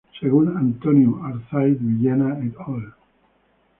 Según Antonio Arnaiz-Villena "et al".